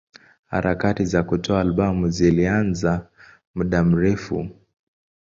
Harakati za kutoa albamu zilianza muda mrefu.